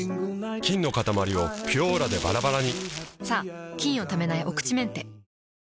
菌のかたまりを「ピュオーラ」でバラバラにさぁ菌をためないお口メンテ。